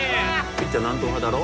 ピッチャー軟投派だろ